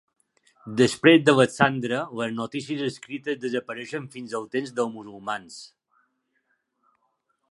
Després d'Alexandre les notícies escrites desapareixen fins al temps dels musulmans.